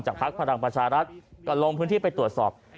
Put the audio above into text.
จากภักดิ์พระรังประชารัฐก่อนลงพื้นที่ไปตรวจสอบ